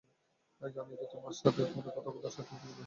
জানোই তো তোমার সাথে ফোনে কথা বলতেই আমি স্বাচ্ছন্দ্যবোধ করি।